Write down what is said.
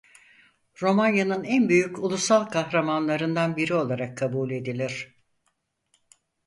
Romanya'nın en büyük ulusal kahramanlarından biri olarak kabul edilir.